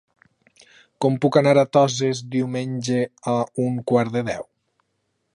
Com puc anar a Toses diumenge a un quart de deu?